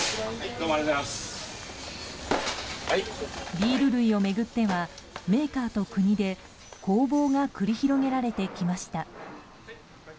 ビール類を巡ってはメーカーと国で攻防が繰り広げられてきました。